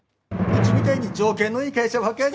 うちみたいに条件のいい会社はほかに。